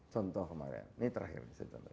contoh kemarin ini terakhir